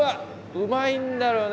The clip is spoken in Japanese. うまいんだろうね。